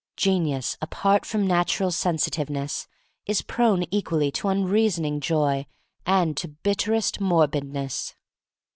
Genius, apart from natural sensitiveness, is prone equally to unreasoning joy and to bit terest morbidness.